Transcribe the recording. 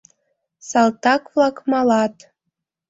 Салтак-влак малат.